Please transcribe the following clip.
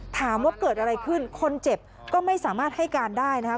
ถามว่าเกิดอะไรขึ้นคนเจ็บก็ไม่สามารถให้การได้นะครับ